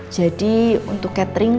jadi untuk catherine